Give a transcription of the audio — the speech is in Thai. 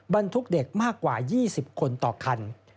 บรรทุกเด็กมากกว่า๒๐คนต่อคัน